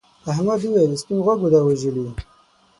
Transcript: احمد وویل سپین غوږو دا وژلي.